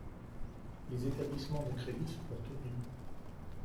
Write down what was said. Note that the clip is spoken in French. Les établissements de crédit se portent mieux.